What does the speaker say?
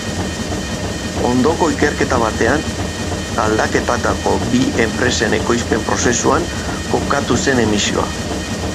Ondoko ikerketa batean, galdaketako bi enpresaren ekoizpen-prozesuan kokatu zen emisioa.